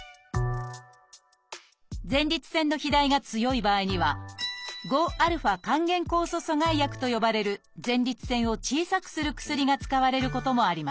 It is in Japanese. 前立腺の肥大が強い場合には「５α還元酵素阻害薬」と呼ばれる前立腺を小さくする薬が使われることもあります。